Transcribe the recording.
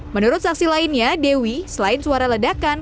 menurut saksi lainnya dewi selain suara ledakan